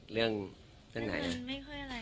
เรื่องเรื่องไหนอะ